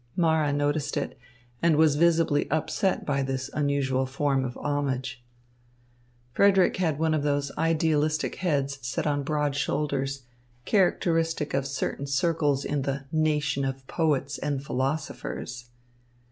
Mara noticed it, and was visibly upset by this unusual form of homage. Frederick had one of those idealistic heads set on broad shoulders characteristic of certain circles in the "nation of poets and philosophers."